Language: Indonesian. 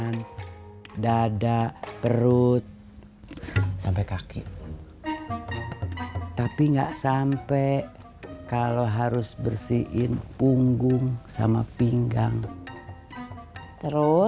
produk lokal kualitas bagus harga murah mede inci manu miut